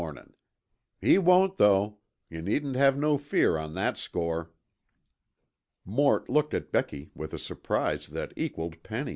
He won't though yuh needn't have no fear on that score." Mort looked at Becky with a surprise that equaled Penny's.